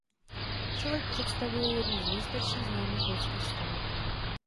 Celek představuje jednu z nejstarších známých lidských staveb.